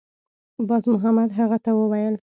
بازمحمد هغه ته وویل